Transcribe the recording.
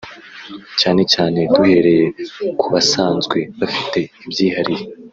cyane cyane duhereye ku basanzwe bafite ibyihariye